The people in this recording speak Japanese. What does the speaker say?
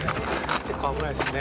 結構危ないですね。